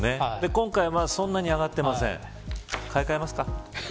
今回はそれほど上がっていません買い替えますか。